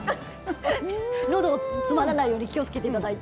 のどが詰まらないように気をつけていただいて。